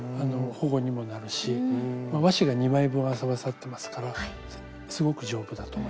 保護にもなるし和紙が２枚分合わさってますからすごく丈夫だと思います。